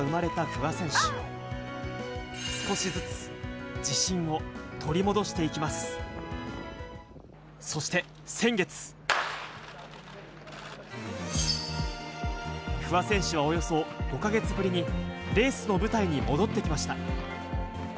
不破選手はおよそ５か月ぶりに、レースの舞台に戻ってきました。